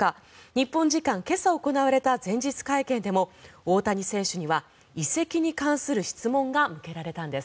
日本時間今朝、行われた前日会見でも大谷選手には移籍に関する質問が向けられたんです。